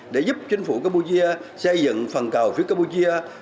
để giúp chính phủ campuchia xây dựng phần cầu phía campuchia